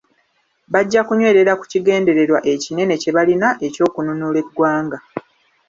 Bajja kunywerera ku kigendererwa ekinene kye balina eky'okununula eggwanga.